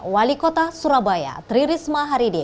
wali kota surabaya tririsma haridi